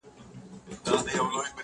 زه له سهاره بوټونه پاکوم.